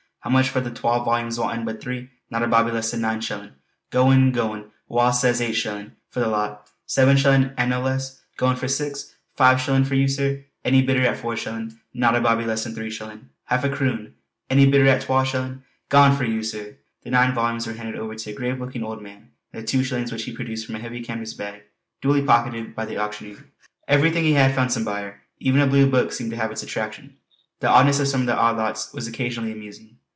How much for the twal volumes, wantin' but three? Not a bawbee less than nine shellin', goin' goin'. Wha says eight shellin' for the lot. Seven shellin' an' no less. Goin' for six. Five shellin' for you sir. Any bidder at four shellin'. Not a bawbee less than three shellin'; Half a croon. Any bidder at twa shellin'. Gone for you sir!" the nine volumes were handed over to a grave looking old man, and the two shillings which he produced from a heavy canvas bag duly pocketed by the auctioneer. Everything he had, found some buyer; even a blue book seemed to have its attraction. The oddness of some of the odd lots was occasionally amusing.